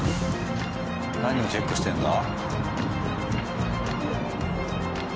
何をチェックしてんだ？